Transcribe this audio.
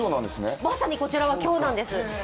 まさにこちらは今日なんです。